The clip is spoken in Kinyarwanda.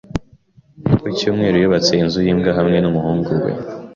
Ku cyumweru, yubatse inzu y’imbwa hamwe n’umuhungu we.